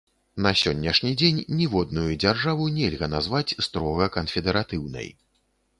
На сённяшні дзень ніводную дзяржаву нельга назваць строга канфедэратыўнай.